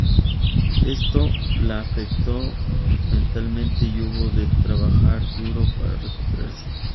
Esto la afectó mentalmente y hubo de trabajar duro para recuperarse.